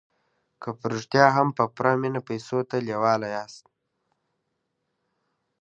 که په رښتیا هم په پوره مينه پيسو ته لېوال ياست.